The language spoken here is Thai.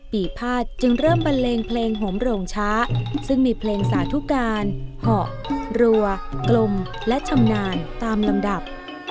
ปีภาษจึงเริ่มบันเลงเพลงหมโรงช้าซึ่งมีเพลงสาธุการเหาะรัวกลมและชำนาญตามลำดับ